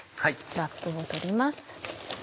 ラップを取ります。